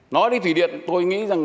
nói đến thủy điện tôi nghĩ rằng